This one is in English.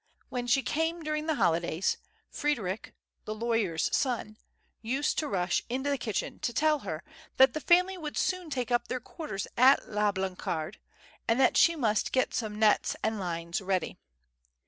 When she came during the holidays, Frederic, the lawyer's son, used to rush into the kitchen to tell her that the family would soon take up their quarters at La Blancarde, and that she must get some nets and lines ready.